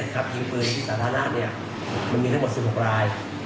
จากถึงปืนที่สตระหน้ามันมีทั้งหมด๑๖ลาย